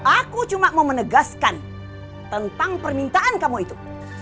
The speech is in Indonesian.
aku cuma mau menegaskan tentang permintaan kamu itu